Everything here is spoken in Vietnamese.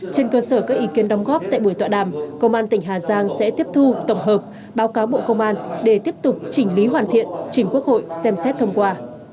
trên cơ sở các ý kiến đóng góp tại buổi tọa đàm công an tỉnh hà giang sẽ tiếp thu tổng hợp báo cáo bộ công an để tiếp tục chỉnh lý hoàn thiện chỉnh quốc hội xem xét thông qua